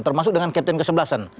termasuk dengan captain kesebelasan